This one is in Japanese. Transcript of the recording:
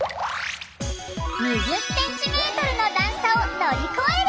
２０ｃｍの段差を乗り越える！